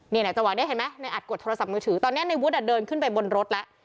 จังหวะนี้เห็นไหมในอัดกดโทรศัพท์มือถือตอนนี้ในวุฒิเดินขึ้นไปบนรถแล้ว